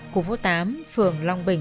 của phố tám phường long bình